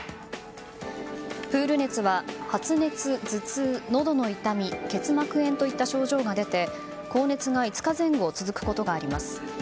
プール熱は発熱、頭痛、のどの痛み結膜炎といった症状が出て高熱が５日前後続くことがあります。